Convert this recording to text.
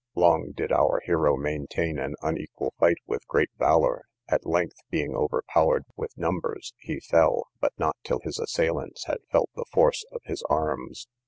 Long did our hero maintain an unequal fight with great valour. At length, being overpowered with numbers, he fell, but not till his assailants had felt the force of his arms.